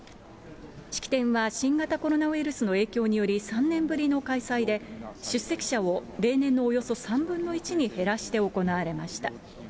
式典は新型コロナウイルスの影響により、３年ぶりの開催で、出席者を例年のおよそ３分の１に減らして行われました。